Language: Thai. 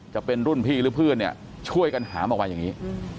จะเป็นรุ่นพี่หรือเพื่อนเนี่ยช่วยกันหามออกมาอย่างนี้